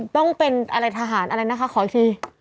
ต้องเป็นอะไรทหารอะไรนะคะขออีกที